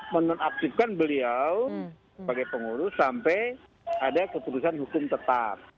menaktifkan beliau sebagai pengurus sampai ada ketutupan hukum tetap